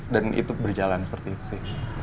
dia menjaga reputasi